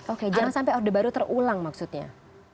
oke jangan sampai orde baru terulang maksudnya